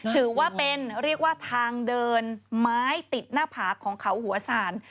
ถือว่าเป็นเรียกว่าทางเดินไม้ติดหน้าผากของเขาหัวศาล